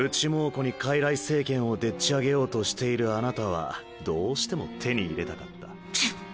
蒙古に傀儡政権をでっち上げようとしているあなたはどうしても手に入れたかった。